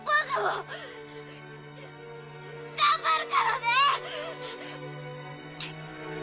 頑張るからね！